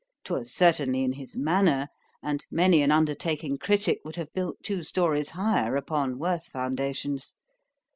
—'Twas certainly in his manner, and many an undertaking critic would have built two stories higher upon worse foundations.